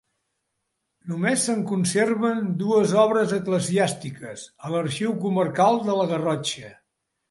Només se'n conserven dues obres eclesiàstiques a l'arxiu comarcal de la Garrotxa.